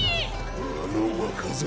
あの若造。